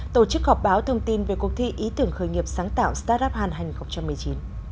tổ chức họp báo thông tin về cuộc thi ý tưởng khởi nghiệp sáng tạo start up hàn hành hai nghìn một mươi chín